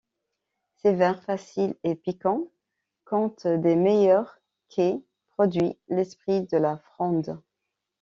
Ses vers, faciles et piquants, comptent des meilleurs qu’ait produits l’esprit de la Fronde.